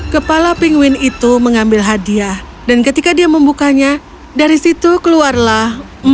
kepala pingwin itu mengambil hadiah dan ketika dia membukanya dari situ keluarlah